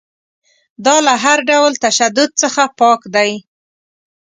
دا له هر ډول تشدد څخه پاک دی.